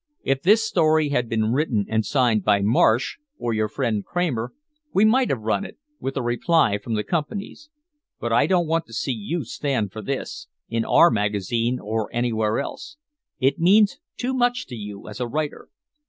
If this story had been written and signed by Marsh or your friend Kramer, we might have run it, with a reply from the companies. But I don't want to see you stand for this in our magazine or anywhere else it means too much to you as a writer.